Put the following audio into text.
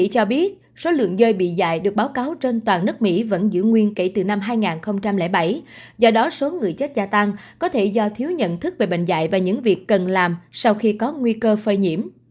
cdc mỹ cho biết số lượng rơi bị dạy được báo cáo trên toàn nước mỹ vẫn giữ nguyên kể từ năm hai nghìn bảy do đó số người chết gia tăng có thể do thiếu nhận thức về bệnh dạy và những việc cần làm sau khi có nguy cơ phơi nhiễm